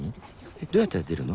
どうやったら出るの？